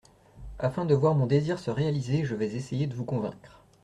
Afin de voir mon désir se réaliser, je vais essayer de vous convaincre.